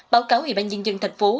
báo cáo ủy ban nhân dân thành phố